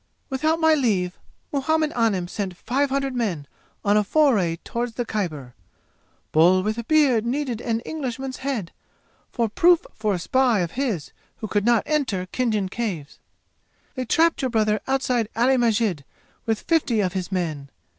"Without my leave, Muhammad Anim sent five hundred men on a foray toward the Khyber. Bull with a beard needed an Englishman's head, for proof for a spy of his who could not enter Khinjan Caves. They trapped your brother outside Ali Masjid with fifty of his men.